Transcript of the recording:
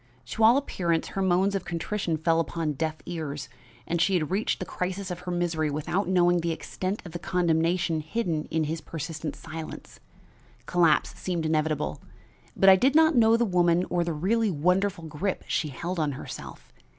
To all appearance her moans of contrition fell upon deaf ears, and she had reached the crisis of her misery without knowing the extent of the condemnation hidden in his persistent silence. Collapse seemed inevitable, but I did not know the woman or the really wonderful grip she held on herself.